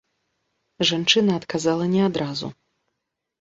Жанчына адказала не адразу.